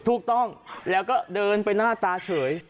ถูกต้องแล้วก็เดินไปหน้าตาเฉย